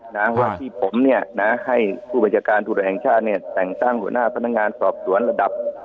น้ำว่าที่ผมให้ผู้บัญชาการศัพท์ตรวจแห่งชาติแส่งตั้งหัวหน้าพนักงานสอบสวนระดับ